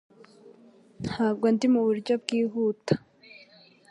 Ntabwo ndi muburyo bwihuta